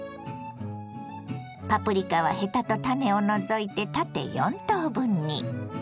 パプリカはヘタと種を除いて縦４等分に。